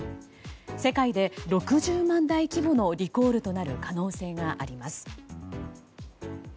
世界で６０万台規模のリコールとなる可能性があります。